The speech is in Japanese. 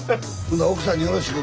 奥さんによろしく。